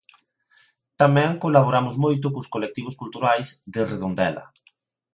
Tamén colaboramos moito cos colectivos culturais de Redondela.